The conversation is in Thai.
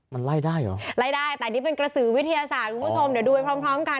มันไล่ได้เหรอไล่ได้แต่อันนี้เป็นกระสือวิทยาศาสตร์คุณผู้ชมเดี๋ยวดูไปพร้อมพร้อมกัน